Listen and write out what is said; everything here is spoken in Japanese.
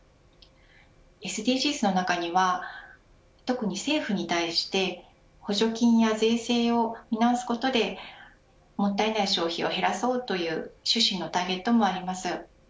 ＳＤＧｓの中には特に、政府に対して補助金や税制を見直すことでもったいない消費を減らそうという趣旨のターゲットもあります。